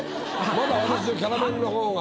まだ私のキャラメルの方が。